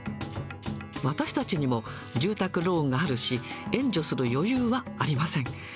私たちにも住宅ローンがあるし、援助する余裕はありません。